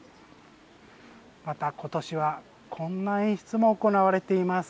ことしはこんな演出も行われています。